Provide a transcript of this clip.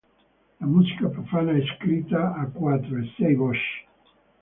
La musica profana è scritta a quattro e sei voci.